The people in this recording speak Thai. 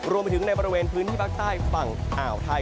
รวมไปถึงในบริเวณพื้นที่ภาคใต้ฝั่งอ่าวไทย